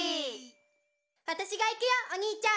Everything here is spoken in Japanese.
「わたしが行くよおにいちゃん」